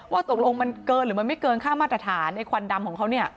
ว่าตกลงมันเกินหรือมันไม่เกินค่ามาตรฐานไอ้ควันดำของเขาเนี่ย